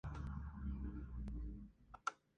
Es originaria de parte de Asia.